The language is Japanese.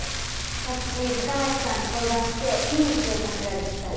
さっき深町さんと相談していい計画ができたんです。